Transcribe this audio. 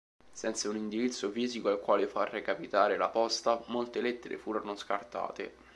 Senza un indirizzo fisico al quale far recapitare la posta, molte lettere furono scartate.